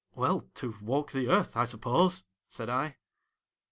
" Well, to walk the earth, I suppose," said I.